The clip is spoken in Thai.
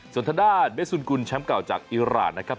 ส่วนทางด้านเมสุนกุลแชมป์เก่าจากอิราณนะครับ